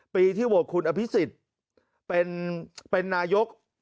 ปีที่โหวตคุณอภิษฎเป็นนายก